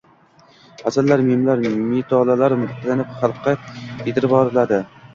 hazillar, memlar, «milota»lar qilinib xalqqa yedirvoriladi.